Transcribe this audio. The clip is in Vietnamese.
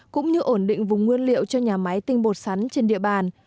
cũng như ổn định vùng nguyên liệu cho nhà máy tinh bột sắn trên địa bàn